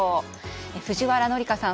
藤原紀香さん